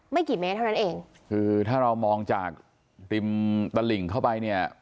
กี่เมตรเท่านั้นเองคือถ้าเรามองจากริมตลิ่งเข้าไปเนี่ย